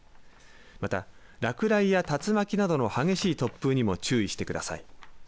また、落雷や竜巻などの激しい突風にも注意してください。